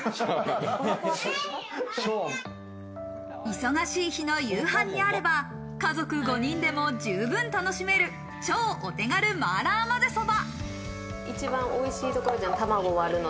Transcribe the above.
忙しい日の夕飯にあれば家族５人でも十分楽しめる、超お手軽麻辣まぜそば。